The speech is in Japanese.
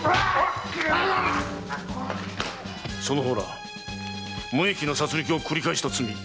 その方ら無益な殺戮をくり返した罪